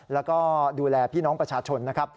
แล้วก็ดูแลพี่น้องประชาชนนะครับ